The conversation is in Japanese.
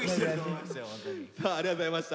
さあありがとうございました。